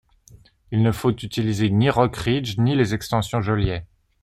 Il ne faut utiliser ni Rock Ridge ni les extensions Joliet.